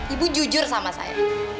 ibu jujur sama saya